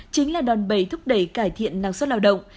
chính là đòn bầy thúc đẩy cải thiện năng suất lao động